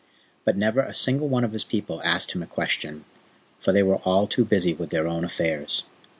But never a single one of his people asked him a question, for they were all too busy with their own affairs.